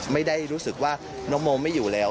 ไม่ได้รู้สึกว่าน้องโมไม่อยู่แล้ว